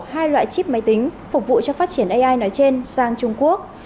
hai loại chip máy tính phục vụ cho phát triển ai nói trên sang trung quốc